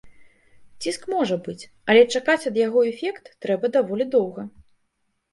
Ціск можа быць, але чакаць ад яго эфект трэба даволі доўга.